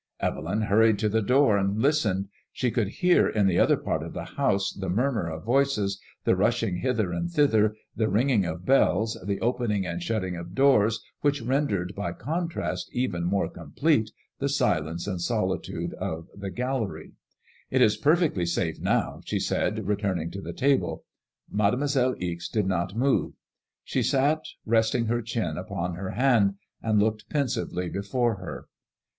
*' Evelyn hurried to the door and listened. She could hear in the other part of the house the mur mur of voices, the rushing hither and thither, the ringing of bells, the opening and shutting of doors, which rendered by con trast even more complete the f I70 liADEIiOISELLB IXB« silence and solitude of the gal leiy. ''It is perfectly safe now/' she said, returning to the table. Mademoiselle Ixe did not move. She sat resting her chin upon her hand, and looking pensively before her.